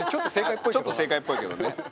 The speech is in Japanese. ちょっと正解っぽいけどね。